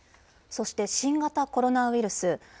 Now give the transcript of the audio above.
そして新型コロナウイルス。